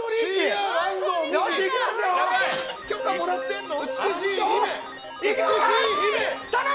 許可もらってんの？